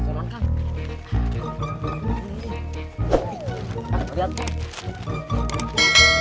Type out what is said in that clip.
teh liat jangan lelah